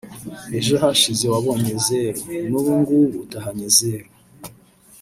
ejo hashize wabonye zeru n’ubungubu utahanye zeru